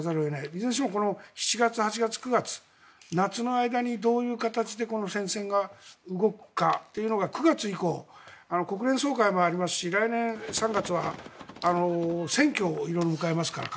いずれにせよ７月、８月、９月夏の間にどういう形でこの戦線が動くかというのが９月以降国連総会もありますし来年３月は選挙を迎えますから。